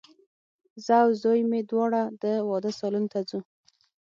زه او زوی مي دواړه د واده سالون ته ځو